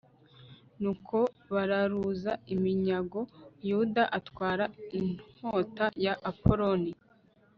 nuko bararuza iminyago, yuda atwara inkota ya apoloni